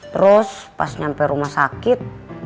terus pas sampai rumah sakit